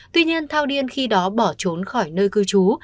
tuy nhiên thao điên khi đó bỏ trốn khỏi nơi cư trú